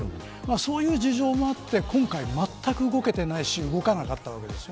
そういう事情もあって、今回まったく動けていないし動かなかったわけです。